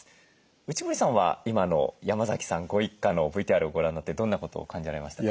内堀さんは今の山崎さんご一家のＶＴＲをご覧になってどんなことを感じられましたか？